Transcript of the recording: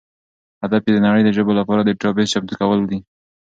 هدف یې د نړۍ د ژبو لپاره د ډیټابیس چمتو کول دي.